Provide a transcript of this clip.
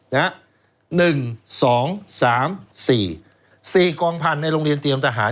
หนึ่งสองสามสี่สี่กองพันธุ์ในโรงเรียนเตรียมทหาร